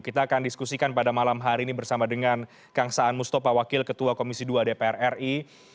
kita akan diskusikan pada malam hari ini bersama dengan kang saan mustafa wakil ketua komisi dua dpr ri